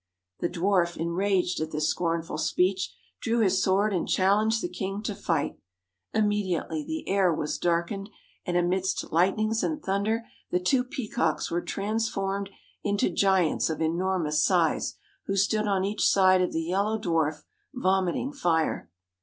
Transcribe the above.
The dwarf, enraged at this scornful speech, drew his sword and challenged the king to fight. Im mediately the air was darkened; and amidst lightnings and thunder the two peacocks were transformed into giants of enormous size, who stood on each side of the Yellow Dwarf, vomiting fire.